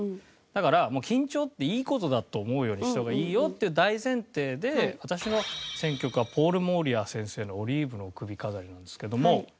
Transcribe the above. だからもう緊張っていい事だと思うようにした方がいいよっていう大前提で私の選曲はポール・モーリア先生の『オリーブの首飾り』なんですけども。